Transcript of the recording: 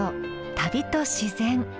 「旅と自然」。